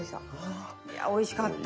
いやおいしかった。